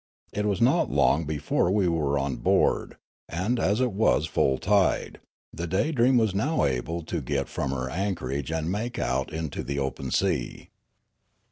It was not long before we were on board, and, as it was full tide, the Daydream was now able to get from her anchorage and make out into the open sea.